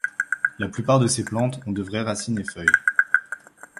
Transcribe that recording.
La plupart de ces plantes ont de vraies racines et feuilles.